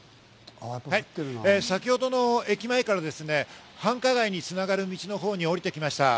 先ほどの駅前からですね、繁華街に繋がる道の方に下りてきました。